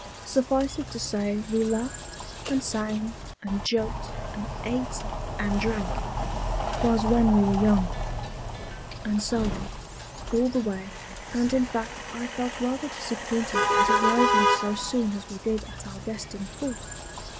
Suffice it to say, we laughed, and sang, and joked, and ate, and drank ('t was when we were young), and so on, all the way, and in fact I felt rather disappointed at arriving so soon as we did at our destined port.